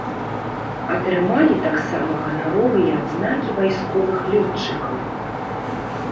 Атрымалі таксама ганаровыя адзнакі вайсковых лётчыкаў.